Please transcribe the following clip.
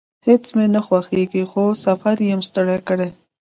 هیڅ مې نه خوښیږي، خو سفر یم ستړی کړی